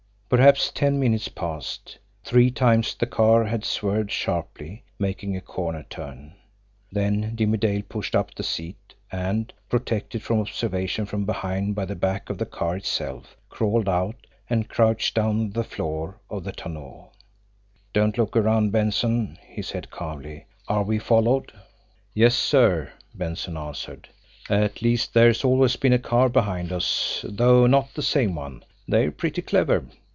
Perhaps ten minutes passed. Three times the car had swerved sharply, making a corner turn. Then Jimmie Dale pushed up the seat, and, protected from observation from behind by the back of the car itself, crawled out and crouched down on the floor of the tonneau. "Don't look around, Benson," he said calmly. "Are we followed?" "Yes, sir." Benson answered. "At least, there's always been a car behind us, though not the same one. They're pretty clever.